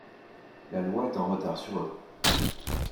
La loi est en retard sur eux.